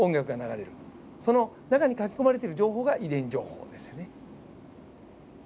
その中に書き込まれてる情報が遺伝情報ですよね。